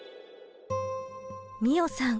美桜さん